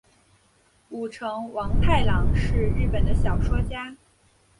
舞城王太郎是日本的小说家。